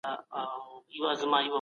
اسراف په شريعت کي منع او حرام عمل دی.